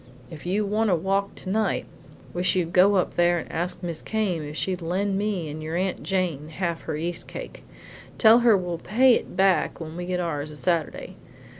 If you want a walk tonight, I wish you'd go up there and ask Mis' Came if she'll lend me an' your Aunt Jane half her yeast cake. Tell her we'll pay it back when we get ours a Saturday.